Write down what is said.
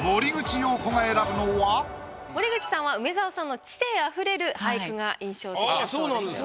森口さんは梅沢さんの知性溢れる俳句が印象的だそうです。